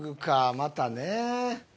またね。